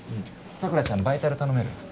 佐倉ちゃんバイタル頼める？